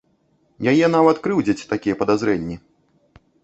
Яе нават крыўдзяць такія падазрэнні.